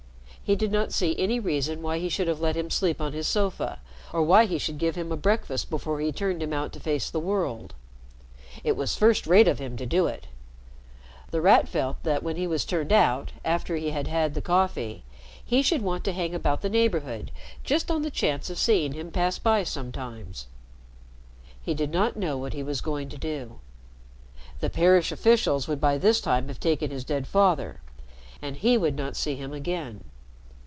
He did not see any reason why he should have let him sleep on his sofa or why he should give him a breakfast before he turned him out to face the world. It was first rate of him to do it. The Rat felt that when he was turned out, after he had had the coffee, he should want to hang about the neighborhood just on the chance of seeing him pass by sometimes. He did not know what he was going to do. The parish officials would by this time have taken his dead father, and he would not see him again.